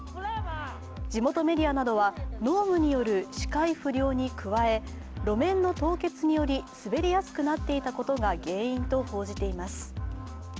地元メディアなどは濃霧による視界不良に加え、路面の凍結により滑りやすくなっていたことが原因と報じています。